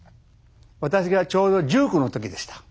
私がちょうど１９の時でした。